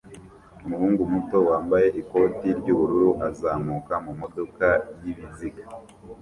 umuhungu muto wambaye ikoti ry'ubururu azamuka mumodoka yibiziga